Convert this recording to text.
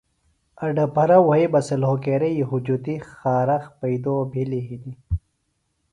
اڈپھرہ وھئ بہ سے لھوکیرئی ہجُتیۡ خارخ پیئدو بھِلیۡ ہِنیۡ